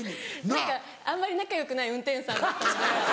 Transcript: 何かあんまり仲よくない運転手さんだったので。